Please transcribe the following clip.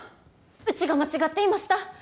うちが間違っていました。